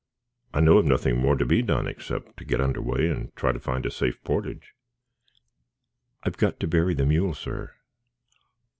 "I know of nothing more to be done except to get under way and try to find a safe portage." "I've got to bury the mule, sir."